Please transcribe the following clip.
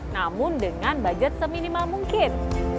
namun dengan budget seminimal mungkin